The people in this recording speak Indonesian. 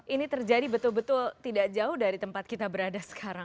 ini terjadi betul betul tidak jauh dari tempat kita berada sekarang